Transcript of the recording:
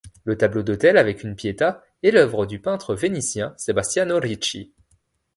Le tableau d'autel avec une Pietà est l'œuvre du peintre vénitien Sebastiano Ricci.